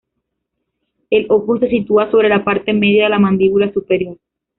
El ojo se sitúa sobre la parte media de la mandíbula superior.